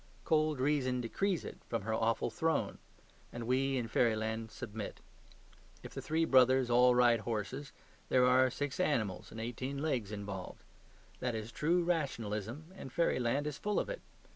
Cold reason decrees it from her awful throne: and we in fairyland submit. If the three brothers all ride horses, there are six animals and eighteen legs involved: that is true rationalism, and fairyland is full of it.